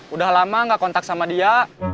udah lama gak kontak sama dia